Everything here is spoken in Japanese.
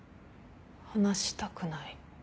話したくない。